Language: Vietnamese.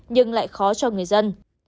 nhưng lại khó cho người dân